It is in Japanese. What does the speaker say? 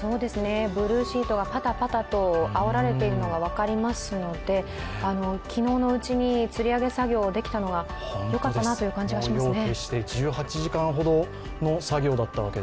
ブルーシートがパタパタとあおられているのが分かりますので昨日のうちにつり上げ作業ができたのが、よかったですね。